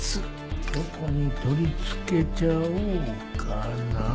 どこに取り付けちゃおうかなあ。